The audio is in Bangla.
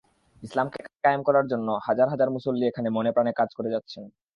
ইসলামকে কায়েম করার জন্য হাজার হাজার মুসল্লি এখানে মনেপ্রাণে কাজ করে যাচ্ছেন।